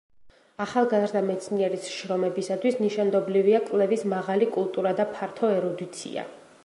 ახალგაზრდა მეცნიერის შრომებისათვის ნიშანდობლივია კვლევის მაღალი კულტურა და ფართო ერუდიცია.